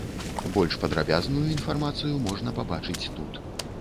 Больш падрабязную інфармацыю можна пабачыць тут.